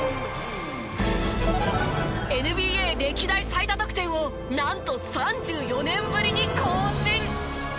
ＮＢＡ歴代最多得点をなんと３４年ぶりに更新！